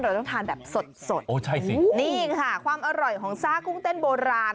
เราต้องทานแบบสดนี่ค่ะความอร่อยของซ่ากุ้งเต้นโบราณ